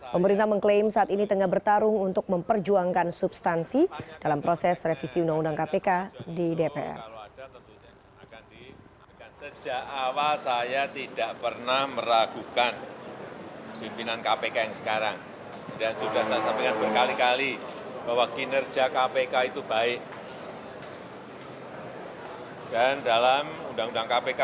pemerintah mengklaim saat ini tengah bertarung untuk memperjuangkan substansi dalam proses revisi undang undang kpk di dpr